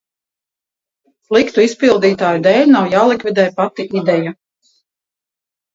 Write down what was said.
Sliktu izpildītāju dēļ nav jālikvidē pati ideja.